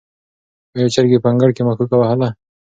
آیا چرګې په انګړ کې مښوکه وهله؟